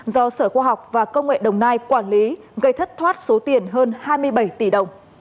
do sở khoa học và công nghệ đồng nai quản lý gây thất thoát số tiền hơn hai mươi bảy tỷ đồng